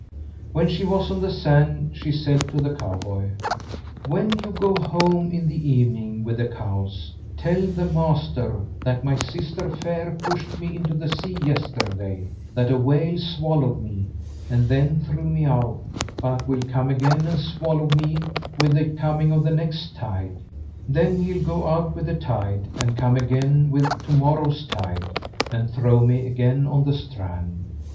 When she was on the sand she said to the cowboy: "When you go home in the evening with the cows, tell the master that my sister Fair pushed me into the sea yesterday; that a whale swallowed me, and then threw me out, but will come again and swallow me with the coming of the next tide; then he'll go out with the tide, and come again with to morrow's tide, and throw me again on the strand.